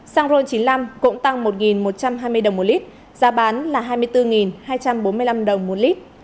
xăng ron chín mươi năm cũng tăng một một trăm hai mươi đồng một lít giá bán là hai mươi bốn hai trăm bốn mươi năm đồng một lít